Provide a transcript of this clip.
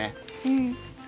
うん。